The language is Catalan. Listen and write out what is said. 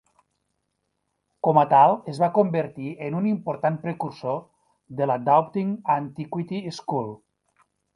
Com a tal, es va convertir en un important precursor de la Doubting Antiquity School.